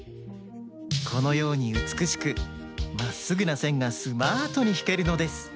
このようにうつくしくまっすぐなせんがスマートにひけるのです。